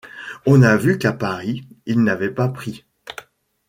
On a vu qu’à Paris « il n’avait pas pris ».